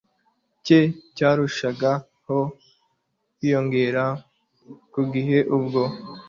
cye cyarushagaho kwiyongera kugeza ubwo